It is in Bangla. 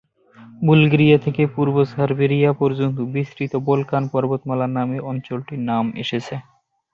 বুলগেরিয়া থেকে পূর্ব সার্বিয়া পর্যন্ত বিস্তৃত বলকান পর্বতমালার নামে অঞ্চলটির নাম এসেছে।